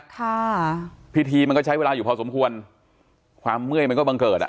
ค่ะพิธีมันก็ใช้เวลาอยู่พอสมควรความเมื่อยมันก็บังเกิดอ่ะ